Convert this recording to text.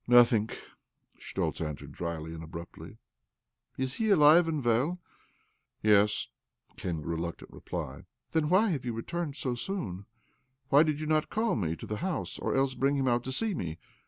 " Nothing," Schtoltz answered dryly and abruptly. "Is he alive and well?" "Yes," came the reluctant reply. "Then why have you returned so soon? Why did you not call me to the house, or else bring him out to see me?